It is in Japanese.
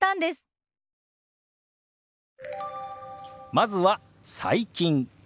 まずは「最近」。